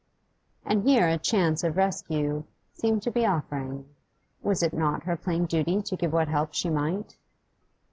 And here a chance of rescue seemed to be offering; was it not her plain duty to give what help she might?